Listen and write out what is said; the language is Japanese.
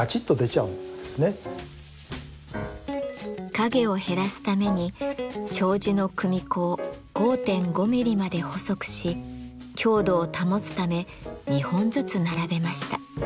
影を減らすために障子の組子を５．５ミリまで細くし強度を保つため２本ずつ並べました。